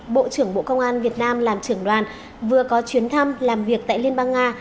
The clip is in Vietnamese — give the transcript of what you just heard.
bộ trưởng bộ công an việt nam làm trưởng đoàn vừa có chuyến thăm làm việc tại liên bang nga